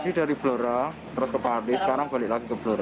ini dari blora terus ke pari sekarang balik lagi ke blora